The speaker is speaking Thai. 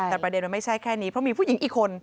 แต่ประเด็นมันไม่ใช่แค่นี้เพราะมีผู้หญิงอีกคน